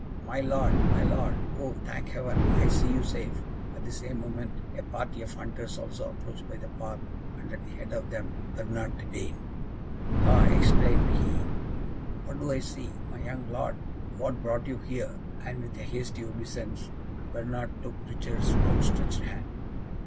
"My Lord, my Lord! oh, thank Heaven, I see you safe!" At the same moment a party of hunters also approached by the path, and at the head of them Bernard the Dane. "Ha!" exclaimed he, "what do I see? My young Lord! what brought you here?" And with a hasty obeisance, Bernard took Richard's outstretched hand.